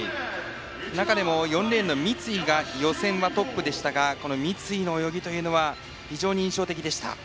中でも４レーンの三井が予選はトップでしたが三井の泳ぎというのは非常に印象的でした。